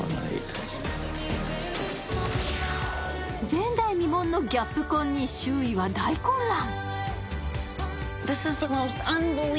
前代未聞のギャップ婚に周囲は大混乱。